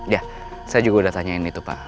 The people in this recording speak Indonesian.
ya saya juga udah tanyain itu pak